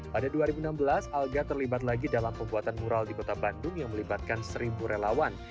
pada dua ribu enam belas alga terlibat lagi dalam pembuatan mural di kota bandung yang melibatkan seribu relawan